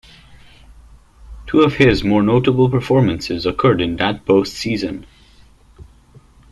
Two of his more notable performances occurred in that post season.